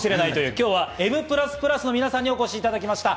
今日はＭＰＬＵＳＰＬＵＳの皆さんにお越しいただきました。